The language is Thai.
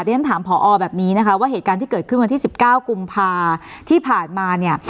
ฉันถามผอแบบนี้นะคะว่าเหตุการณ์ที่เกิดขึ้นวันที่๑๙กุมภาที่ผ่านมาเนี่ย